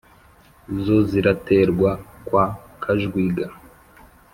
zo ziraterwa kwa kajwiga